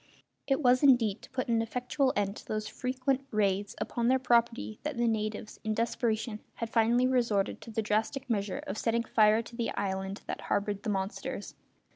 It was indeed to put an effectual end to those frequent raids upon their property that the natives, in desperation, had finally resorted to the drastic measure of setting fire to the island that harboured the monsters.